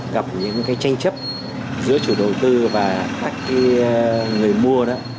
gặp những tranh chấp giữa chủ đầu tư và các người mua